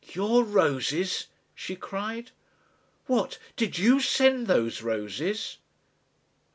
"Your roses!" she cried, "What! Did you send those roses?"